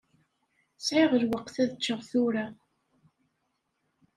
Sɛiɣ lweqt ad ččeɣ tura.